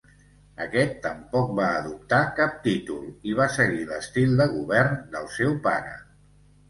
Aquest tampoc va adoptar cap títol i va seguir l'estil de govern del seu pare.